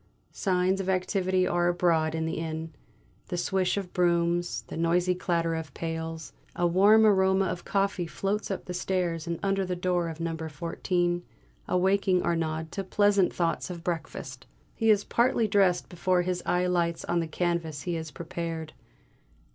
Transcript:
Signs of activity are abroad in the inn; the swish of brooms; the noisy clatter of pails. A warm aroma of coffee floats up the stairs and under the door of number fourteen, awaking Arnaud to pleasant thoughts of breakfast. He is partly dressed before his eye lights on the canvas he had prepared.